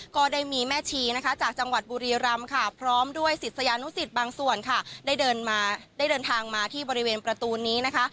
ก็ได้มีแม่ชีนะคะจากจังหวัดบุรีรำค่ะพร้อมด้วยศิษยานุสิตบางส่วนค่ะได้เดินมาได้เดินทางมาที่บริเวณประตูนี้นะคะ